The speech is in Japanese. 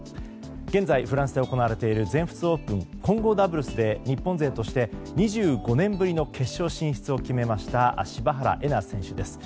現在、フランスで行われている全仏オープン混合ダブルスで日本勢として２５年ぶりの決勝進出を決めました柴原瑛菜選手です。